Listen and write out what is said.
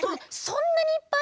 そんなにいっぱい？